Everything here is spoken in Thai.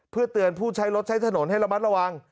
เพื่อเตือนผู้ใช้รถใช้ถนนให้ระมัดระวัง